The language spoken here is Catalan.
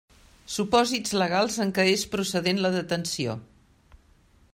Supòsits legals en què és procedent la detenció.